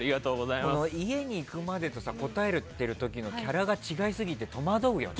家に行くまでと答えてる時のキャラが違いすぎて戸惑うよね。